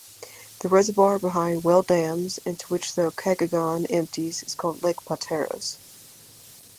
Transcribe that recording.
The reservoir behind Wells Dam, into which the Okanagan empties, is called Lake Pateros.